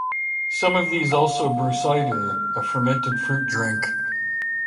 Some of these also brew cider, a fermented fruit drink.